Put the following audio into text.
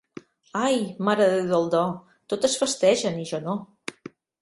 Ai, Mare de Déu del Do, totes festegen i jo no!